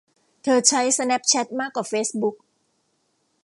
เธอใช้สแนปแชทมากกว่าเฟสบุ๊ค